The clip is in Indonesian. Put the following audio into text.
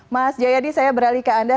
mas jayadi saya beralih ke anda